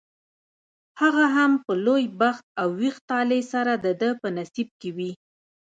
هغه هم په لوی بخت او ویښ طالع سره دده په نصیب کې وي.